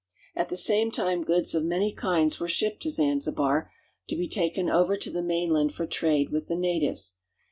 At the same time goods of many kinds were shipped to J Zanzibar, to be taken over to the mainland for trade with 1 the natives.